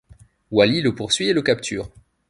Wally le poursuit et le capture.